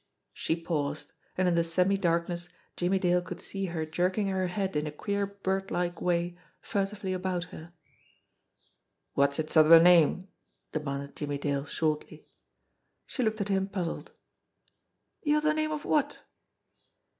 She paused, and in the semi darkness Jimmie Dale cou 1 ^ see her jerking her head in a queer birdlike way furtively about her. "What's its other name ?" demanded Jimmie Dale shortly. She looked at him puzzled. "De other name of wot?"